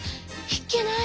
いっけない！